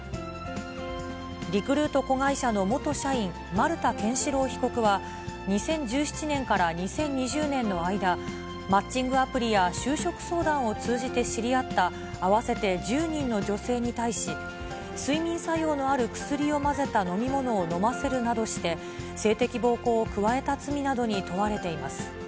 リクルート子会社の元社員、丸田憲司朗被告は２０１７年から２０２０年の間、マッチングアプリや就職相談を通じて知り合った合わせて１０人の女性に対し、睡眠作用のある薬を混ぜた飲み物を飲ませるなどして、性的暴行を加えた罪などに問われています。